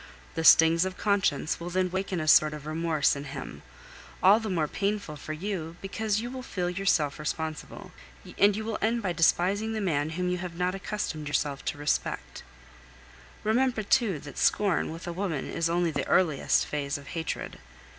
The stings of conscience will then waken a sort of remorse in him, all the more painful for you, because you will feel yourself responsible, and you will end by despising the man whom you have not accustomed yourself to respect. Remember, too, that scorn with a woman is only the earliest phase of hatred.